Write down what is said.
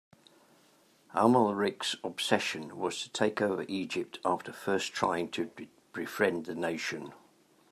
Amalric’s obsession was to take over Egypt, after first trying to befriend the nation.